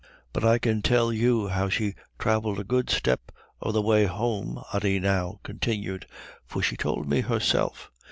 "But I can tell you how she thravelled a good step of the way home," Ody now continued, "for she tould me herself.